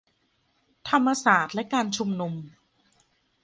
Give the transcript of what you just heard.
ธรรมศาสตร์และการชุมนุม